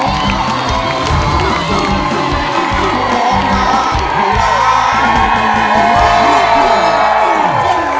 ร้องได้ให้ล้าน